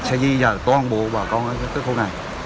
sẽ di rời toàn bộ bà con tới khu này